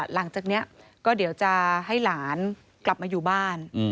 หลังจากนี้ก็เดี๋ยวจะให้หลานกลับมาอยู่บ้าน